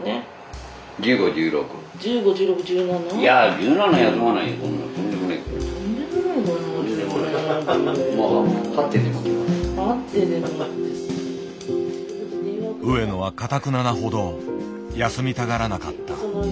上野はかたくななほど休みたがらなかった。